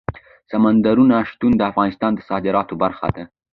سمندر نه شتون د افغانستان د صادراتو برخه ده.